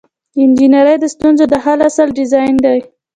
د انجنیری د ستونزو د حل اصل ډیزاین دی.